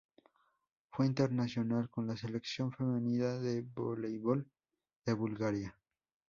Fue internacional con la Selección femenina de voleibol de Bulgaria.